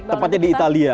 tepatnya di italia